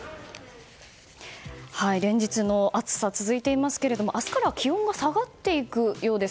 連日の暑さが続いていますが明日から気温が下がっていくようです。